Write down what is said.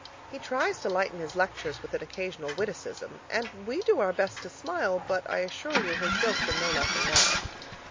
He tries to lighten his lectures with an occasional witticism and we do our best to smile, but I assure you his jokes are no laughing matter.